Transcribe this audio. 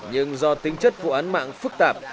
nhưng do tính chất vụ án mạng phức tạp